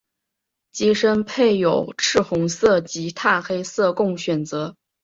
机身备有赤红色及碳黑色供选择。